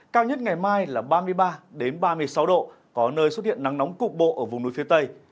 cao nhất ngày mai là ba mươi ba ba mươi sáu độ có nơi xuất hiện nắng nóng cục bộ ở vùng núi phía tây